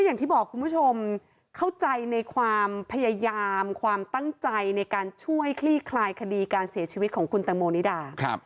อย่างที่บอกคุณผู้ชมเข้าใจในความพยายามความตั้งใจในการช่วยคลี่คลายคดีการเสียชีวิตของคุณตังโมนิดา